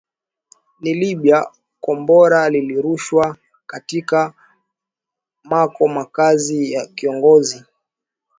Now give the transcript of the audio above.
ni libya kombora lililorushwa katika mako makazi ya kiongozi